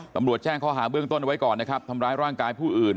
ส่วนเรื่องข้อหาพยายามฆ่า